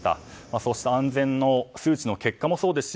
そうした安全の数値の結果もそうですし